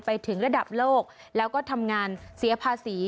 ไปถึงระดับโลกแล้วก็ทำงานเสียภาษี